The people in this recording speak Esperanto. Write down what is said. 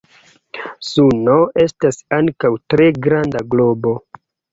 Suno estas ankaŭ tre granda globo.